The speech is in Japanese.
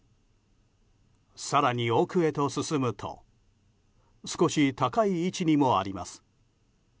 更に奥へと進むと少し高い位置にもあります。